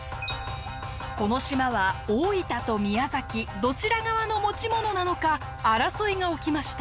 この島は大分と宮崎どちら側の持ち物なのか争いが起きました。